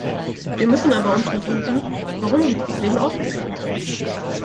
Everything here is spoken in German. Wir müssen aber untersuchen, warum die Probleme aufgetreten sind.